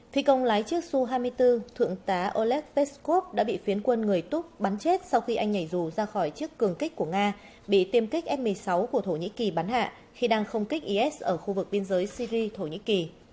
thi công lái chiếc su hai mươi bốn thượng tá olev peskov đã bị phiến quân người túc bắn chết sau khi anh nhảy dù ra khỏi chiếc cường kích của nga bị tiêm kích f một mươi sáu của thổ nhĩ kỳ bắn hạ khi đang không kích is ở khu vực biên giới syri thổ nhĩ kỳ